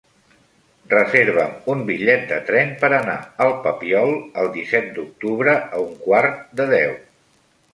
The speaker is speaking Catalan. Reserva'm un bitllet de tren per anar al Papiol el disset d'octubre a un quart de deu.